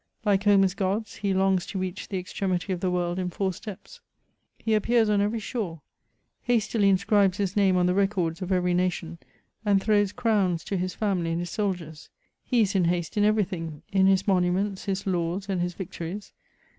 Like Homer's gods, he longs to reach the extremity of the world in four steps. He ap pears on every shore ; hastily inscribes his name on the records of every nation, and throws crowns to his family and his soldiers ; he is in haste in every thing, in his monuments, his laws, and his victories.